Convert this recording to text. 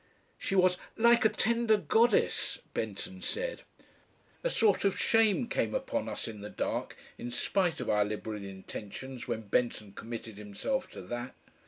She was "like a tender goddess," Benton said. A sort of shame came upon us in the dark in spite of our liberal intentions when Benton committed himself to that.